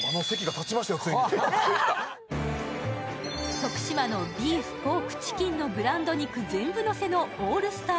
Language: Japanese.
徳島のビーフ、ポーク、チキンのブランド肉全部のせのオールスター